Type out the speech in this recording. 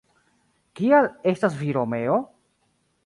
Kial estas vi Romeo?».